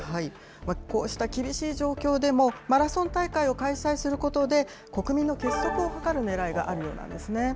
こうした厳しい状況でも、マラソン大会を開催することで、国民の結束を図るねらいがあるようなんですね。